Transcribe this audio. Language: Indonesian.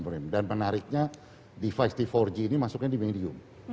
menariknya device di empat g ini masuknya di medium